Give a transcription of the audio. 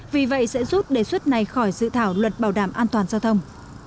vì vậy sẽ rút đề xuất này khỏi dự thảo luật bảo đảm an toàn giao thông